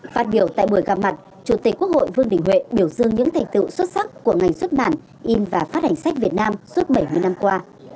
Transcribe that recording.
phát biểu tại buổi gặp mặt chủ tịch quốc hội vương đình huệ biểu dương những thành tựu xuất sắc của ngành xuất bản in và phát hành sách việt nam suốt bảy mươi năm qua